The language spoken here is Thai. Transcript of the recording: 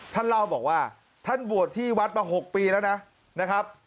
ท่านเล่าบอกว่าท่านบวชที่วัดมา๖ปีแล้วนะครับ